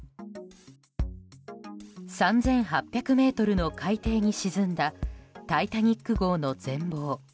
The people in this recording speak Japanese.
３８００ｍの海底に沈んだ「タイタニック号」の全貌。